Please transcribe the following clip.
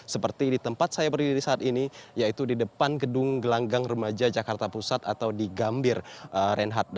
seperti di tempat saya berdiri saat ini yaitu di depan gedung gelanggang remaja jakarta pusat atau di gambir reinhardt